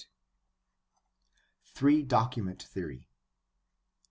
Three document theory.